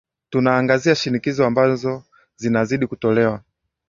tunaangazia shinikizo ambazo zinazidi kutolewa